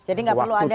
jadi tidak perlu ada